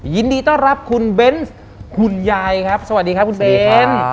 ยินดีต้อนรับคุณเบนส์คุณยายครับสวัสดีครับคุณเบน